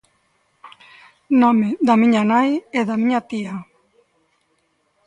Nome da miña nai e da miña tía.